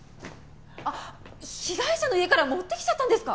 被害者の家から持ってきちゃったんですか？